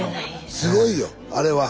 すごいよあれは。